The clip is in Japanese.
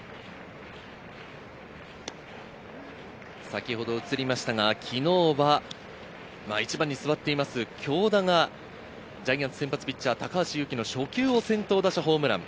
先ほど映りましたが、昨日は１番に座っている京田が、ジャイアンツ先発ピッチャー・高橋優貴の初球を先頭打者ホームラン。